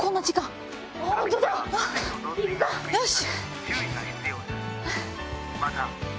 よし！